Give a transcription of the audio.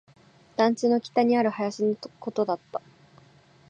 団地の北にある林のことだった